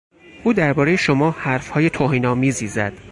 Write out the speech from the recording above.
او دربارهی شما حرفهای توهین آمیزی زد.